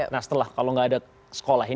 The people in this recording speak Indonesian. nah setelah kalau gak ada sekolah